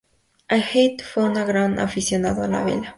Heath fue un gran aficionado a la vela.